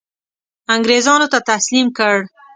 انګرېزانو ته تسلیم کړ.